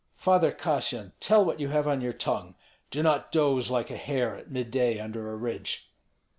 Father Kassyan, tell what you have on your tongue; do not doze like a hare at midday under a ridge."